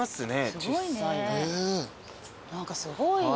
何かすごい。